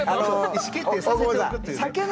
意思決定させておくというね。